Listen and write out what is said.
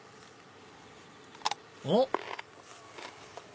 おっ！